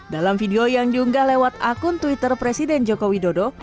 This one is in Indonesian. dalam video yang diunggah lewat akun twitter presiden joko widodo